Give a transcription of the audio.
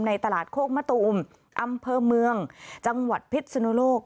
ตลาดโคกมะตูมอำเภอเมืองจังหวัดพิษสนุโลก